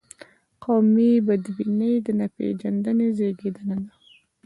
قومي بدبیني د ناپېژندنې زیږنده ده.